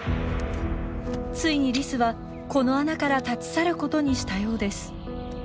ついにリスはこの穴から立ち去ることにしたようです。